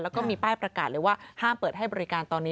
แล้วก็มีป้ายประกาศเลยว่าห้ามเปิดให้บริการตอนนี้